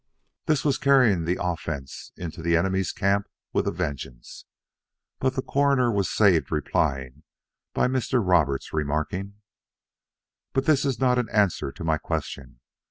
This was carrying the offense into the enemy's camp with a vengeance. But the Coroner was saved replying by Mr. Roberts remarking: "But this is not an answer to my question.